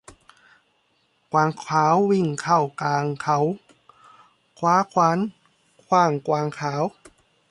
กวางขาววิ่งเข้ากลางเขา คว้าขวานขว้างกวางขาว